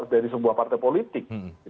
dari sebuah partai politik